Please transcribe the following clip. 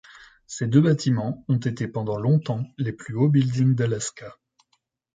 Ces deux bâtiments ont été pendant longtemps les plus hauts buildings d'Alaska.